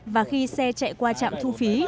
và khi xe chạy qua trạm thu phí